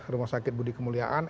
rumah sakit budi kemuliaan